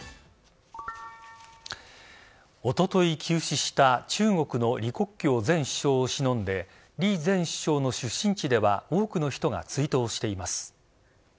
おととい急死した中国の李克強前首相をしのんで李前首相の出身地では多くの人が追悼しています。